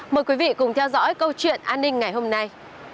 mời quý vị cùng theo dõi câu chuyện an ninh ngày hôm nay